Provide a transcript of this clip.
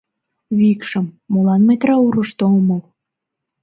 Викшым, молан мый траурышто омыл?